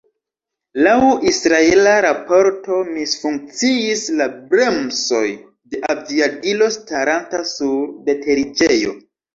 Laŭ israela raporto misfunkciis la bremsoj de aviadilo staranta sur deteriĝejo.